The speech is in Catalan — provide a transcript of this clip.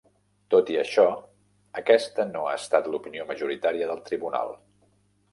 Tot i això, aquesta no ha estat l'opinió majoritària del tribunal.